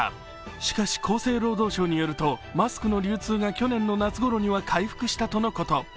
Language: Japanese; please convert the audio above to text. しかし厚生労働省によるとマスクの流通が去年の夏頃には回復したとのこと。